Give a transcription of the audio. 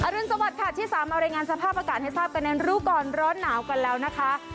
อรุณสวัสดิ์ค่ะที่๓อรรยังงานสภาพอากาศให้ทราบกระเนินรู้ก่อนร้อนหนาวกันแล้วนะคะ